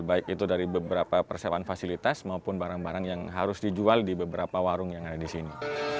baik itu dari beberapa persewaan fasilitas maupun barang barang yang harus dijual di beberapa warung yang ada di sini